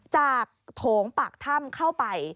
โถงปากถ้ำเข้าไป